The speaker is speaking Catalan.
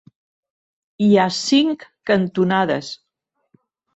Hi ha cinc cantonades.